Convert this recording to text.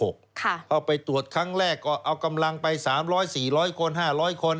เข้าไปตรวจครั้งแรกก็เอากำลังไป๓๐๐๔๐๐คน๕๐๐คน